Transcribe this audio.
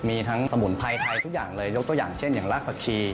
มีทั้งสมุนไพรไทยทุกอย่างเลยยกตัวอย่างเช่นอย่างรากผักชี